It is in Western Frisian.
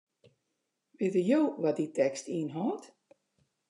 Witte jo wat dy tekst ynhâldt?